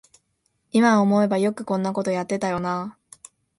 いま思えばよくこんなことやってたよなあ